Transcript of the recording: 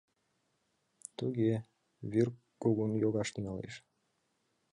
— Туге, вӱр кугун йогаш тӱҥалеш.